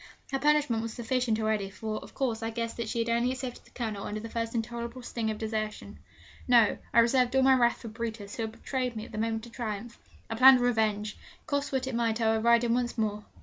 Her punishment was sufficient already, for, of course, I guessed that she had only accepted the Colonel under the first intolerable sting of desertion. No: I reserved all my wrath for Brutus, who had betrayed me at the moment of triumph. I planned revenge. Cost what it might I would ride him once more.